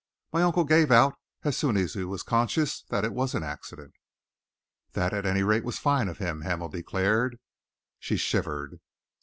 My uncle gave out, as soon as he was conscious, that it was an accident." "That, at any rate, was fine of him," Hamel declared. She shivered.